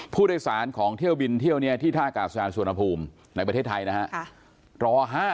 ผู้ดักศึกษาของเที่ยวบินเที่ยวที่ท่ากาศยาลสวนภูมิในประเทศไทยนะครับ